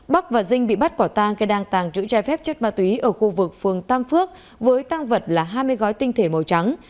bắc và dinh bị bắt quả tang khi đang tàng trữ trái phép chất ma túy ở khu vực phường tam phước với tăng vật là hai mươi gói tinh thể màu trắng